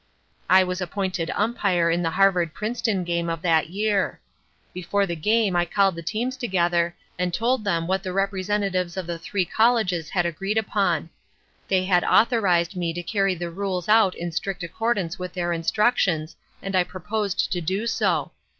I was appointed Umpire in the Harvard Princeton game of that year. Before the game I called the teams together and told them what the representatives of the three colleges had agreed upon. They had authorized me to carry the rules out in strict accordance with their instructions and I proposed to do so.